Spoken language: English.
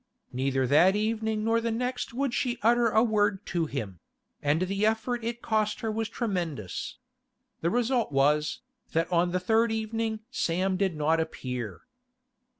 Neither that evening nor the next would she utter a word to him—and the effort it cost her was tremendous. The result was, that on the third evening Sam did not appear.